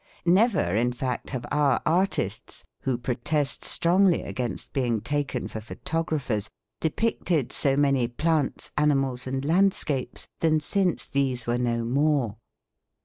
Never, in fact, have our artists, who protest strongly against being taken for photographers, depicted so many plants, animals and landscapes, than since these were no more.